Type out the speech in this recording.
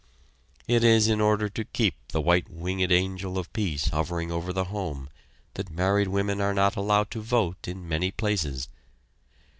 It is in order to keep the white winged angel of peace hovering over the home that married women are not allowed to vote in many places.